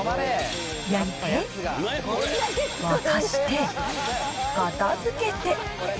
焼いて、沸かして、片づけて。